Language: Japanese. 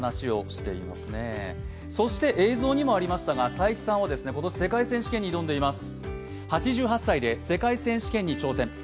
佐伯さんは今年、世界選手権に挑んでいます。